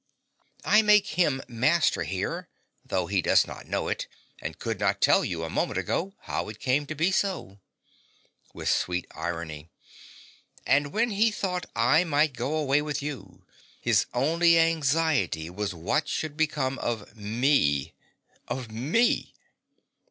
I make him master here, though he does not know it, and could not tell you a moment ago how it came to be so. (With sweet irony.) And when he thought I might go away with you, his only anxiety was what should become of ME!